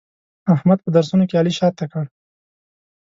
احمد په درسونو کې علي شاته کړ.